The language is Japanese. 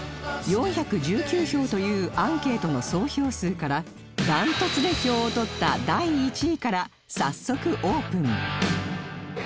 ４１９票というアンケートの総票数から断トツで票を取った第１位から早速オープン